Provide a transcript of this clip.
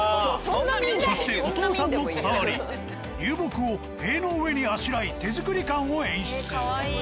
そしておとうさんのこだわり流木を塀の上にあしらい手作り感を演出。